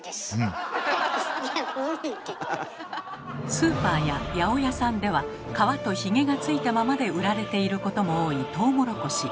スーパーや八百屋さんでは皮とヒゲがついたままで売られていることも多いトウモロコシ。